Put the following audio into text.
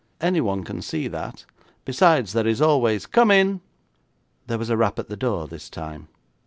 Anyone can see that, besides there is always Come in! There was a rap at the door this time.